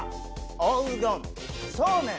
「おうどん」「そうめん」。